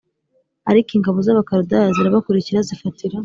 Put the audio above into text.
Ariko ingabo z Abakaludaya zirabakurikira zifatira